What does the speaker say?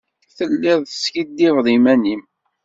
Tellid teskikkiḍed iman-nnem.